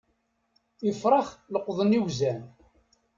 Ifrax leqḍen iwzan.